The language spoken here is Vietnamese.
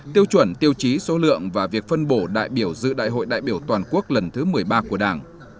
tiêu chuẩn tiêu chí số lượng và việc phân bổ đại biểu dự đại hội đại biểu toàn quốc lần thứ một mươi ba của đảng